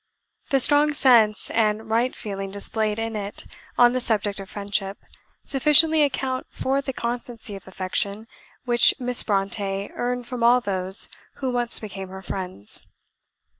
The strong sense and right feeling displayed in it on the subject of friendship, sufficiently account for the constancy of affection which Miss Brontë earned from all those who once became her friends.